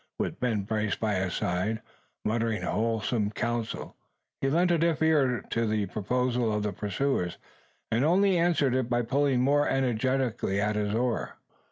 With Ben Brace by his side, muttering wholesome counsel, he lent a deaf ear to the proposal of the pursuers; and only answered it by pulling more energetically at his oar.